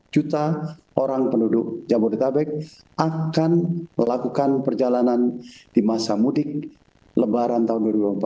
dua puluh juta orang penduduk jabodetabek akan melakukan perjalanan di masa mudik lebaran tahun dua ribu empat belas